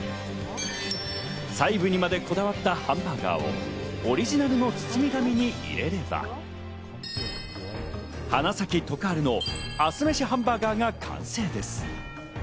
細部にまでこだわったハンバーガーをオリジナルの包み紙に入れれば、花咲徳栄のアスメシ飯バーガーが完成です。